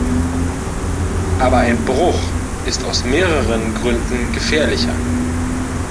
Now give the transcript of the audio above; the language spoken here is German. Aber ein Bruch ist aus mehreren Gründen gefährlicher.